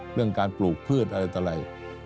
เรื่องการปลูกพืชอะไรต่ออะไร